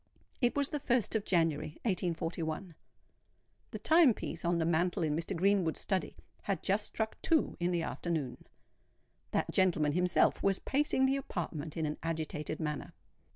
It was the 1st of January, 1841. The time piece on the mantel in Mr. Greenwood's study had just struck two in the afternoon. That gentleman himself was pacing the apartment in an agitated manner.